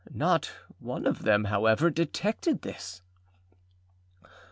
Not one of them, however, detected this.